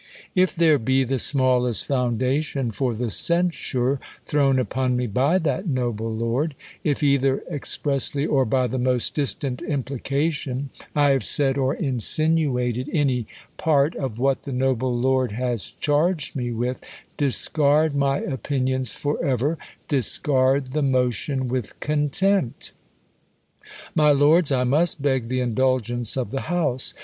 If there be the smallest foundation for the censure thrown upon me by that noble lord ; if, either express ly or by the most distant implication, I have said or in sinuated any part of what the noble lord has charged me with, discard my opinions forever; discard the motion with contempt. My lords, I must beg the indulgence of the House.